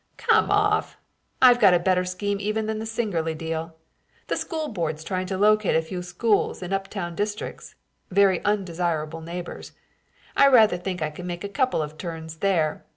"Come off! I've got a better scheme even than the Singerly deal. The school board's trying to locate a few schools in up town districts. Very undesirable neighbors. I rather think I can make a couple of turns there.